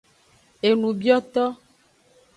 Enubioto.